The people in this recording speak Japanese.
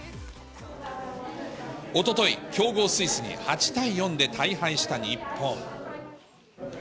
おととい、強豪スイスに８対４で大敗した日本。